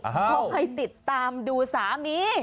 เขาให้ติดตามดูสามี